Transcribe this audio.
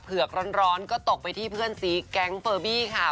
เผือกร้อนก็ตกไปที่เพื่อนซีแก๊งเฟอร์บี้ค่ะ